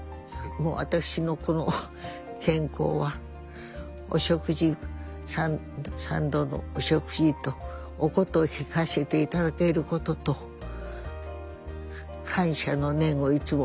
もう私のこの健康は三度のお食事とお箏弾かせていただけることと感謝の念をいつも持っております。